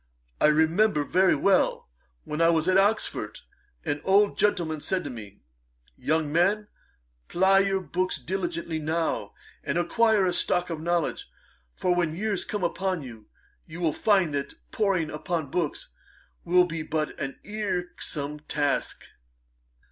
I remember very well, when I was at Oxford, an old gentleman said to me, "Young man, ply your book diligently now, and acquire a stock of knowledge; for when years come upon you, you will find that poring upon books will be but an irksome task."'